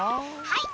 はい！